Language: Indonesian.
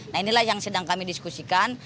nah inilah yang sedang kami diskusikan